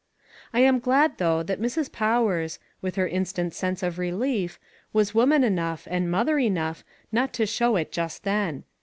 I am glad, though, that Mrs. Powers, with her instant sense of relief, was woman enough, and mother enough not to show it just then.